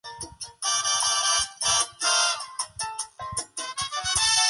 Sólo mucho tiempo más tarde, descubriría que existían instrumentos para zurdos.